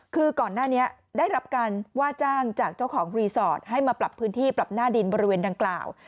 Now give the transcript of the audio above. คือก่อนหน้านี้ได้รับการว่าจ้างจากเจ้าของรีสอร์ทให้มาปรับพื้นที่ปรับหน้าดินบริเวณดังกล่าว